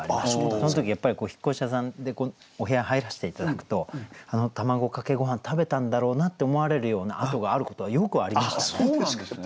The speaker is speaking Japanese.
その時やっぱり引越し屋さんでお部屋入らせて頂くと卵かけごはん食べたんだろうなって思われるような跡があることはよくありましたね。